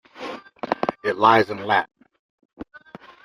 It lies in Lat.